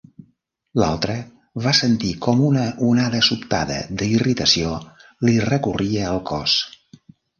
L'altre va sentir com una onada sobtada d'irritació li recorria el cos.